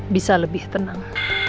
bisa lebih tenang